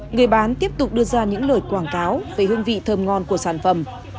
người bán tiếp tục đưa ra những lời quảng cáo về hương vị thơm ngon của sản phẩm